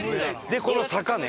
でこの坂ね。